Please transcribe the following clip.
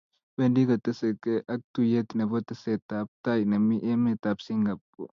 wendi koteseki ak tuiyet nebo tesetabtai nemi emet ab Singapore